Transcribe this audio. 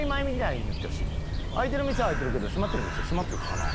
開いてる店開いてるけど閉まってる店閉まってるからな。